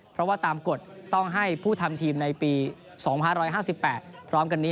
เพราะว่าตามกฎต้องให้ผู้ทำทีมในปี๒๕๕๘พร้อมกันนี้